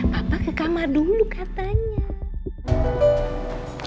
papa ke kamar dulu katanya